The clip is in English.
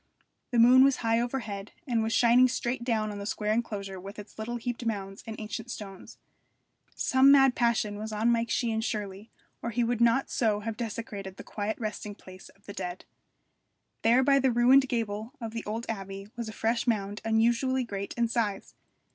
The moon was high overhead, and was shining straight down on the square enclosure with its little heaped mounds and ancient stones. Some mad passion was on Mike Sheehan surely, or he would not so have desecrated the quiet resting place of the dead. There by the ruined gable of the old abbey was a fresh mound unusually great in size.